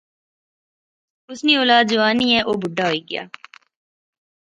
اس نی اولاد جوان یہ او بڈھا ہوئی گیا